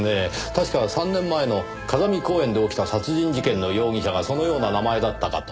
確か３年前の風見公園で起きた殺人事件の容疑者がそのような名前だったかと。